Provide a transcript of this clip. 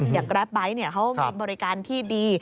แกรปไบท์เขามีบริการที่ดี